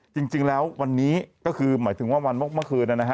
จริงแล้ววันนี้ก็คือหมายถึงว่าวันเมื่อคืนนะฮะ